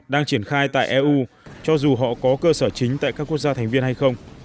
đang triển khai tại eu cho dù họ có cơ sở chính tại các quốc gia thành viên hay không